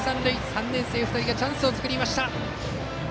３年生の２人がチャンスを作った。